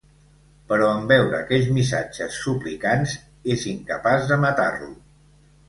Però en veure aquells missatges suplicants, és incapaç de matar-lo.